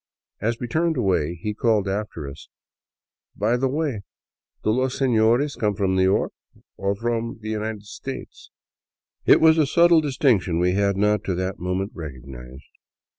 As we turned away, he called after us :" By the way, do los seiiores come from New York, or from the United States ?" It was a subtle distinction we had not, to that moment, recognized.